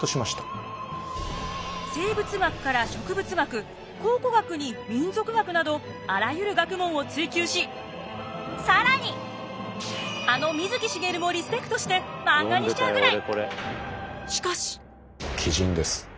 生物学から植物学考古学に民俗学などあらゆる学問を追求し更にあの水木しげるもリスペクトしてマンガにしちゃうぐらい！